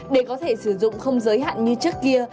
để có thể sử dụng không giới hạn như trước kia